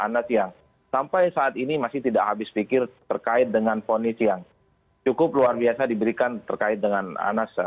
anas yang sampai saat ini masih tidak habis pikir terkait dengan ponis yang cukup luar biasa diberikan terkait dengan anas